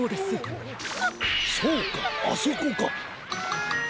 そうかあそこか！